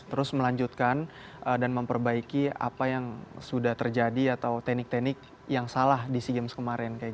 terus melanjutkan dan memperbaiki apa yang sudah terjadi atau teknik teknik yang salah di sea games kemarin